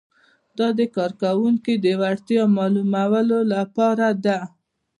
دا د کارکوونکي د وړتیا معلومولو لپاره ده.